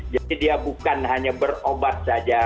jadi dia bukan hanya berobat saja